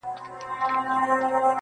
امتحان هر سړي پر ملا مات کړي,